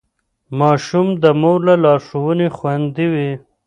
ماشوم د مور له لارښوونې خوندي وي.